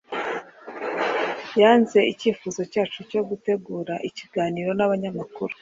Yanze icyifuzo cyacu cyo gutegura ikiganiro n’abanyamakuru.